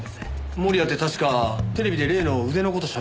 盛谷って確かテレビで例の腕の事喋ってた？